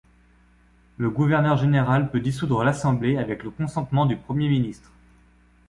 Le gouverneur général peut dissoudre l’Assemblée avec le consentement du premier ministre.